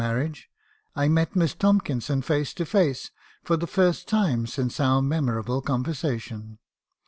marriage, I met Miss Tomkinson face to face, for the first time since our memorable conversation.